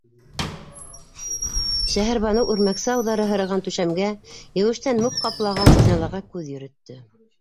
- Шәһәрбаныу үрмәксе ауҙары һырыған түшәмгә, еүештән мүк ҡаплаған стеналарға күҙ йөрөттө.